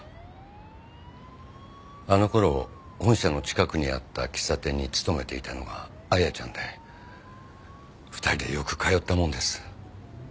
あの頃本社の近くにあった喫茶店に勤めていたのが綾ちゃんで２人でよく通ったもんです。